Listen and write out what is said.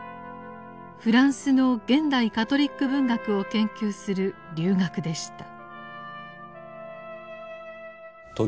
フランスの現代カトリック文学を研究する留学でした。